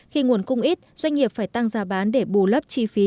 khi nguồn cung ít doanh nghiệp phải tăng giá bán để bù lấp chi phí